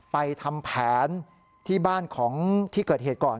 ไปทำแผนที่บ้านของที่เกิดเหตุก่อน